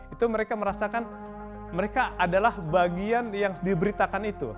itu mereka merasakan mereka adalah bagian yang diberitakan itu